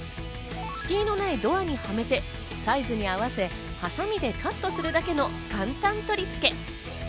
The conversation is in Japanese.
敷居のないドアにはめて、サイズに合わせ、ハサミでカットするだけの簡単取り付け。